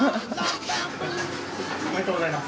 おめでとうございます。